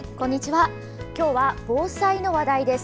今日は防災の話題です。